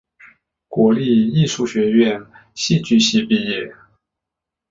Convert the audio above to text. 国立艺术学院戏剧系毕业。